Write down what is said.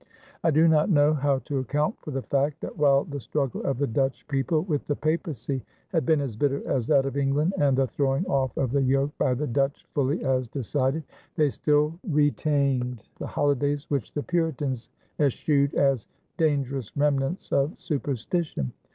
I do not know how to account for the fact that while the struggle of the Dutch people with the Papacy had been as bitter as that of England and the throwing off of the yoke by the Dutch fully as decided, they still retained the holidays which the Puritans eschewed as dangerous remnants of superstition.